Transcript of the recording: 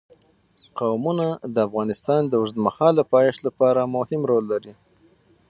قومونه د افغانستان د اوږدمهاله پایښت لپاره مهم رول لري.